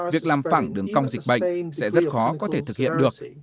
việc làm phẳng đường cong dịch bệnh sẽ rất khó có thể thực hiện được